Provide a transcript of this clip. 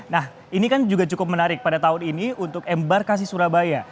nah ini kan juga cukup menarik pada tahun ini untuk embarkasi surabaya